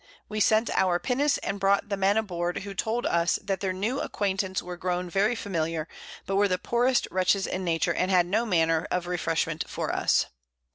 We sent our Pinnace, and brought the Men aboard, who told us, that their new Acquaintance were grown very familiar, but were the poorest Wretches in Nature, and had no manner of Refreshment for us.